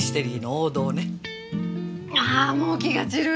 ああもう気が散る！